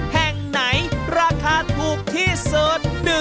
แห่งไหนราคาถูกที่สุด